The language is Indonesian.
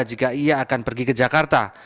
jika ia akan pergi ke jakarta